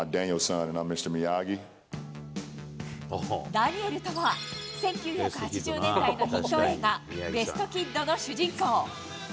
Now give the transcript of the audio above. ダニエルとは、１９８０年代のヒット映画、ベスト・キッドの主人公。